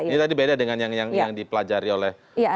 ini tadi beda dengan yang dipelajari oleh para media di meksiko